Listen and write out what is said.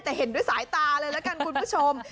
แต่เห็นด้วยสายตาเลยละกันคุณผู้ชม